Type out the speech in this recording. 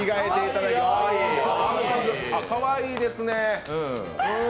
かわいいですね。